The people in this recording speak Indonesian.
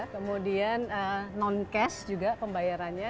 kemudian non cash juga pembayarannya